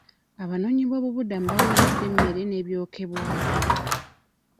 Abanoonyiboobubudamu baweereddwa emmere n'ebyokwebwako.